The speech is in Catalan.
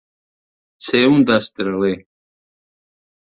Ser un destraler.